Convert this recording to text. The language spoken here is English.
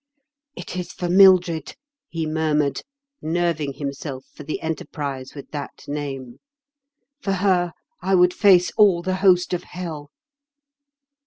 " It is for Mildred," he murmured, nerving himself for the enterprise with that name. " For her I would face all the host of hell."